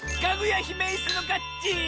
かぐやひめいすのかち！